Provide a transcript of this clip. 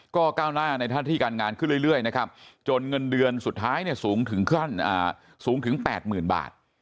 ก็ก้าวหน้าในท่าที่การงานขึ้นเรื่อยจนเงินเดือนสุดท้ายสูงถึง๘หมื่นบาท